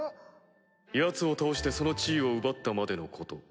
ヤツを倒してその地位を奪ったまでのこと。